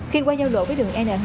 khi qua giao lộ với đường n hai